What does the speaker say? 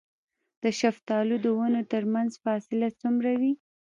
د شفتالو د ونو ترمنځ فاصله څومره وي؟